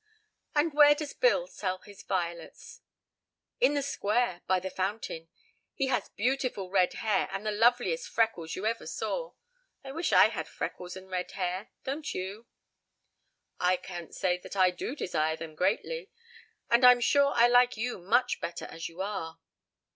"And where does Bill sell his violets?" "In the square, by the fountain. He has beautiful red hair and the loveliest freckles you ever saw. I wish I had freckles and red hair; don't you?" "I can't say that I do desire them greatly, and I'm sure I like you much better as you are."